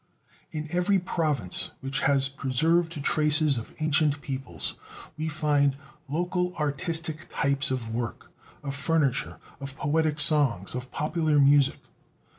In every province which has preserved traces of ancient peoples we find local artistic types of work, of furniture, of poetic songs and popular music.